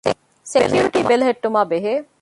ސެކިއުރިޓީ ބެލެހެއްޓުމާ ބެހޭ